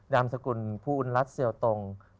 นามสกุลภูรณรัฐเซียวตง